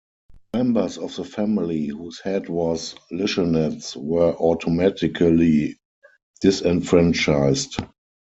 Members of the family whose head was "lishenets" were automatically disenfranchised.